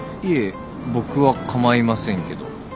いえ僕は構いませんけど。